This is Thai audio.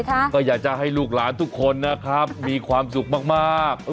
ก็อยากจะให้ลูกหลานทุกคนนะครับมีความสุขมาก